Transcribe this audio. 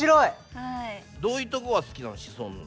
どういうとこが好きなの？